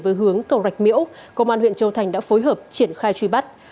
với hướng cầu rạch miễu công an huyện châu thành đã phối hợp triển khai truy bắt